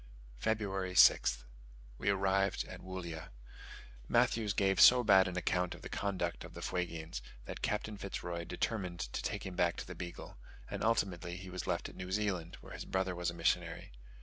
February 6th. We arrived at Woollya. Matthews gave so bad an account of the conduct of the Fuegians, that Captain Fitz Roy determined to take him back to the Beagle; and ultimately he was left at New Zealand, where his brother was a missionary.